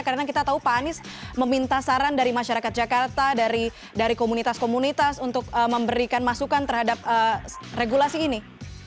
karena kita tahu pak anies meminta saran dari masyarakat jakarta dari komunitas komunitas untuk memberikan masukan terhadap regulasi ini